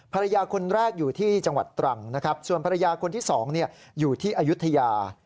ภรรยาคนแรกอยู่ที่จังหวัดตรังนะครับส่วนภรรยาคนที่๒อยู่ที่อายุทยา